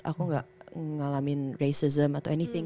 aku gak ngalamin racism atau anything